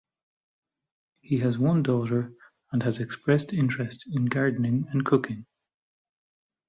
He has one daughter and has expressed interest in gardening and cooking.